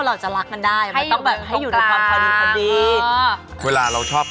เล่นใหญ่ชอบ